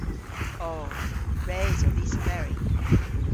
O. Res o dhis oberi.